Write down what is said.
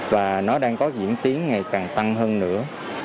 và nó đang có diễn tiến ngày càng tăng hơn nữa